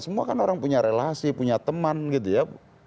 semua kan orang punya relasi punya teman gitu ya